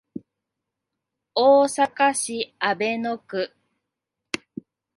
大阪市阿倍野区